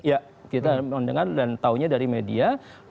ya kita mendengar dan tahunya dari media